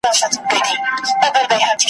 دغه لمر، دغه سپوږمۍ وه ,